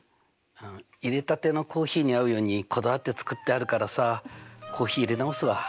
いれたてのコーヒーに合うようにこだわって作ってあるからさあコーヒーいれ直すわ。